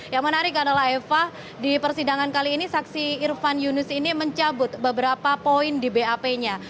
yang menarik adalah eva di persidangan kali ini saksi irfan yunus ini mencabut beberapa poin di bap nya